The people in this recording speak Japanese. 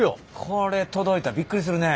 これ届いたらびっくりするね。